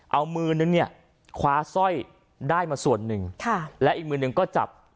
เอามือนึงเนี่ยคว้าสร้อยได้มาส่วนหนึ่งค่ะและอีกมือหนึ่งก็จับ